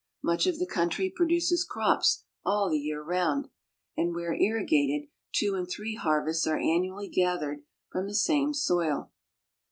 Much of the country aces crops all the year round, and, where irrigated, and three harvests are annually gathered from the same soil.